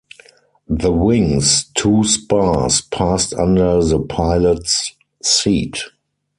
The wing's two spars passed under the pilot's seat.